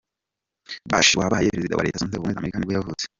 Bush wabaye perezida wa wa Leta zunze ubumwe za Amerika nibwo yavutse.